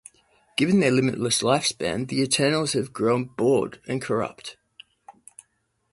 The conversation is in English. Given their limitless lifespan, the Eternals have grown bored and corrupt.